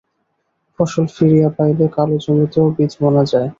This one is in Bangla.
ফসল ফিরিয়া পাইলে কালো জমিতেও বীজ বোনা যায়।